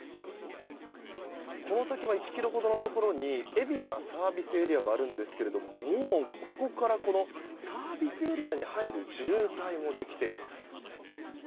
この先、１ｋｍほどのところに海老名ＳＡがあるんですけどもうここからサービスエリアに入る渋滞もできています。